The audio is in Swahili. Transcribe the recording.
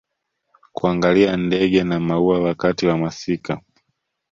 kuangalia ndege na maua wakati wa masika